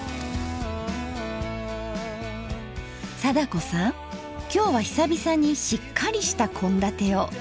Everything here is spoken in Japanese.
貞子さん今日は久々にしっかりした献立を。